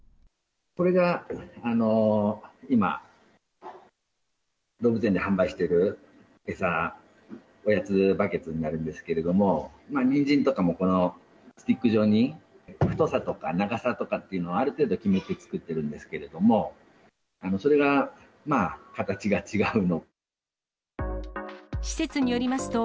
これが今、どうぶつ縁で販売してる餌、おやつバケツになるんですけれども、にんじんとかも、このスティック状に、太さとか、長さとかっていうのは、ある程度決めて作ってるんですけども、それが形が違うと。